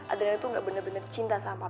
adriana tuh gak bener bener cinta sama papi aku